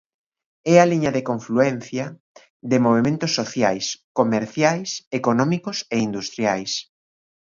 É a liña de confluencia de movementos sociais, comerciais, económicos e industriais.